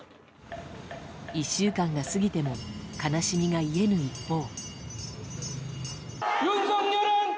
１週間が過ぎても悲しみが癒えぬ一方。